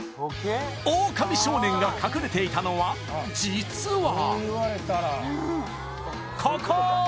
オオカミ少年が隠れていたのは実はここー！